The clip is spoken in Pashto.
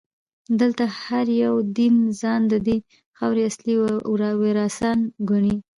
دلته هر یو دین ځان ددې خاورې اصلي وارثان ګڼي.